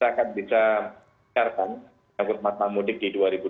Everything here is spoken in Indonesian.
yang akan bisa dikarenakan oleh pak menteri perhubungan di dua ribu dua puluh dua ini